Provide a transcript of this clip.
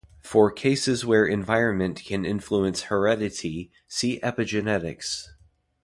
For cases where environment can influence heredity, see epigenetics.